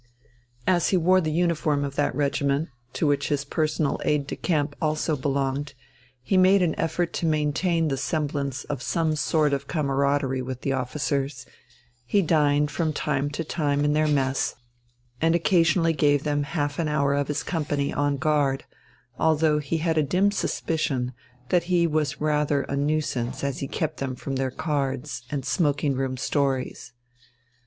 As he wore the uniform of that regiment, to which his personal aide de camp also belonged, he made an effort to maintain the semblance of some sort of camaraderie with the officers; he dined from time to time in their mess and occasionally gave them half an hour of his company on guard, although he had a dim suspicion that he was rather a nuisance as he kept them from their cards and smoking room stories.